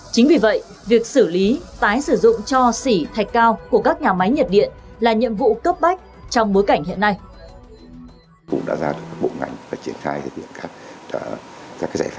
chính vì vậy việc xử lý tái sử dụng cho xỉ thạch cao của các nhà máy nhiệt điện là nhiệm vụ cấp bách trong bối cảnh hiện nay